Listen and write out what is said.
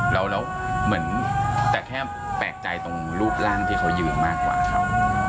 แล้วเหมือนแต่แค่แปลกใจตรงรูปร่างที่เขายืนมากกว่าเขา